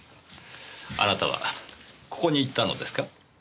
あなたはここに行ったのですか？